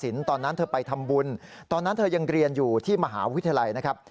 ตอนนั้นเธอไปทำบุญตอนนั้นเธอยังเรียนอยู่ที่มหาวิทยาลัยนะครับ